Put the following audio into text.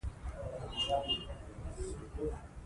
علمي مقالې باید په پښتو ولیکل شي.